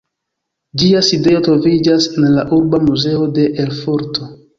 Ĝia sidejo troviĝas en la "Urba muzeo" de Erfurto.